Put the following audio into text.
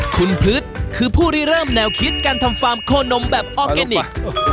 คุณพฤษคือผู้ที่เริ่มแนวคิดการทำฟาร์มโคนมแบบออร์แกนิค